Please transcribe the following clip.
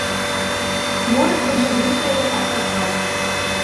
Хворы тут жа выздаравеў ад праказы.